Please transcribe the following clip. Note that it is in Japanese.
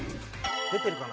出てるかな？